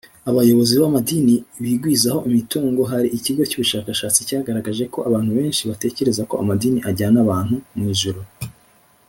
abayobozi b amadini bigwizaho imitungo hari ikigo cy ubushakashatsi cyagaragaje ko abantu benshi batekereza ko amadini ajyana abantu mu ijuru